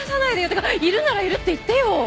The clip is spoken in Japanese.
てかいるならいるって言ってよ！